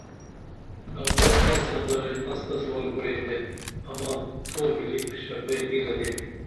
ڈاکون ساں سردارے مس تہ سوال کُرے تے اماں تو ملی اشرپئی نی لدیمہ